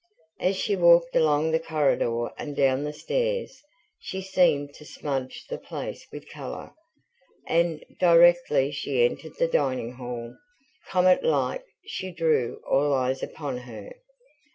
As she walked along the corridor and down the stairs, she seemed to smudge the place with colour, and, directly she entered the dining hall, comet like she drew all eyes upon her.